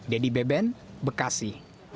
dedy beben bekasi